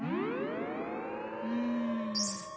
うん。